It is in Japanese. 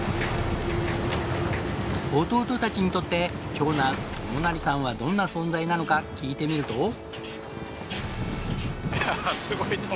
弟たちにとって長男智生さんはどんな存在なのか聞いてみると。